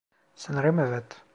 Sanırım evet.